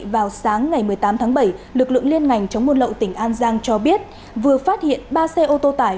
vào sáng ngày một mươi tám tháng bảy lực lượng liên ngành chống buôn lậu tỉnh an giang cho biết vừa phát hiện ba xe ô tô tải